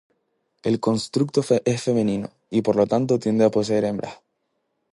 El Constructo es femenino y por lo tanto tiende a poseer hembras.